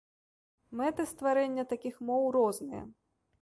Мэты стварэння такіх моў розныя.